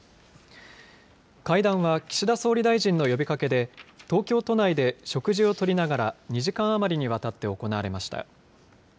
会談は岸田総理大臣の呼びかけで、東京都内で食事をとりながら、２時間余りにわたって行われました。